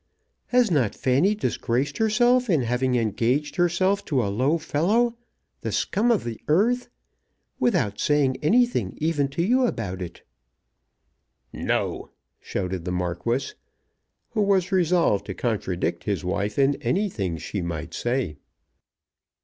"Has not Fanny disgraced herself in having engaged herself to a low fellow, the scum of the earth, without saying anything even to you about it?" "No!" shouted the Marquis, who was resolved to contradict his wife in anything she might say.